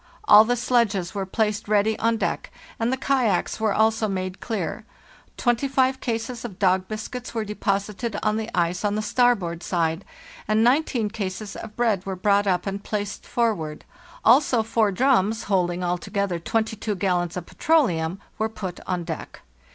All the sledges were placed ready on deck, and the kayaks were also made clear; 25 cases of dog biscuits were deposited on the ice on the starboard side, and 19 cases of bread were brought up and placed forward; also 4 drums, holding altogether 22 gallons of petroleum, were put on deck.